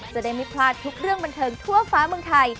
จะได้ไม่พลาดทุกเรื่องบันเทิงทั่วฟ้าเมืองไทย